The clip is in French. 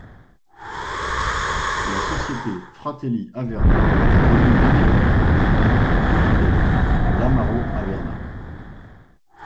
La société Fratelli Averna, produit une liqueur vendue dans toute l'Italie, l'Amaro Averna.